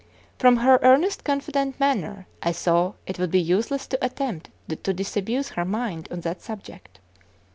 From her earnest, confident manner, I saw it would be useless to attempt to disabuse her mind on the subject.